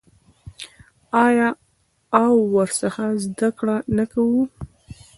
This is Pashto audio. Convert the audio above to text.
آیا او ورڅخه زده کړه نه کوو؟